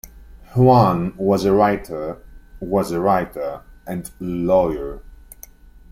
Juan was a writer was a writer and lawyer.